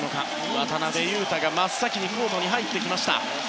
渡邊雄太が真っ先にコートに入ってきました。